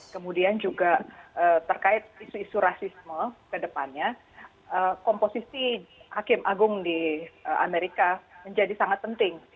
kemudian juga terkait isu isu rasisme kedepannya komposisi hakim agung di amerika menjadi sangat penting